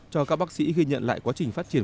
cho các bác sĩ ghi nhận lại quá trình phát triển